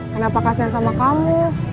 kenapa kasian sama kamu